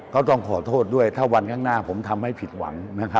ต้องขอโทษด้วยถ้าวันข้างหน้าผมทำให้ผิดหวัง